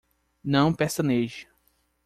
Não pestaneje